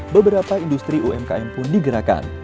beberapa industri umkm pun digerakkan